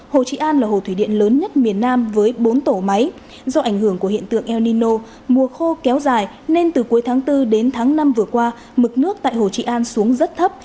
hồ trị an là hồ thủy điện lớn nhất miền nam với bốn tổ máy do ảnh hưởng của hiện tượng el nino mùa khô kéo dài nên từ cuối tháng bốn đến tháng năm vừa qua mực nước tại hồ trị an xuống rất thấp